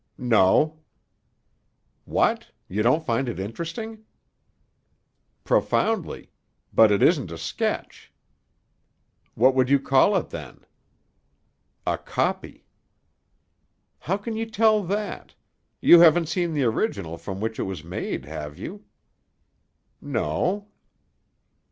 "No." "What? You don't find it interesting?" "Profoundly. But it isn't a sketch." "What would you call it, then?" "A copy." "How can you tell that? You haven't seen the original from which it was made, have you?" "No."